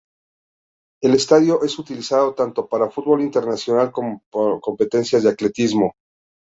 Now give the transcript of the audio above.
El estadio es utilizado tanto para fútbol internacional como competencias de atletismo.